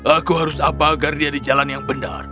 aku harus abakar dia di jalan yang benar